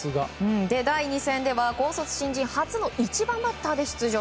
第２戦では高卒新人初の１番バッターで出場。